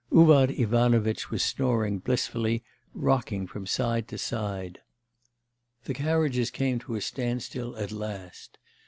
Uvar Ivanovitch was snoring blissfully, rocking from side to side. The carriages came to a standstill at last.